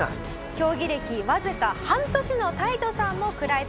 競技歴わずか半年のタイトさんも食らいつきます。